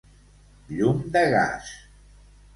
Llum de gas.